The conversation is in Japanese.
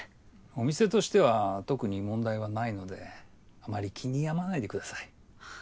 お店としては特に問題はないのであまり気に病まないでください。